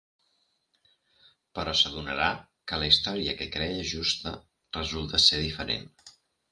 Però s'adonarà que la història que creia justa, resulta ser diferent.